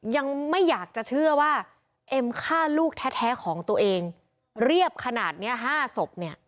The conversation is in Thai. ยังไม่อยากจะเชื่อว่าเอ็มฆ่าลูกแท้ของตัวเองเรียบขนาดนี้๕ศพเนี่ย